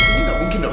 ini gak mungkin dok